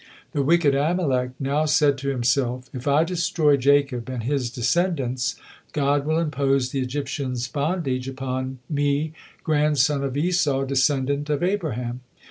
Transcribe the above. The wicked Amalek now said to himself, "If I destroy Jacob and his descendants, God will impose the Egyptians bondage upon, me, grandson of Esau, descendant of Abraham."